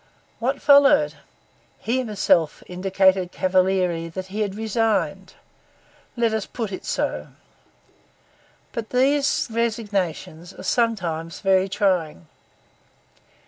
What followed? He himself indicated cavalierly that he had then resigned. Let us put it so. But these resignations are sometimes very trying.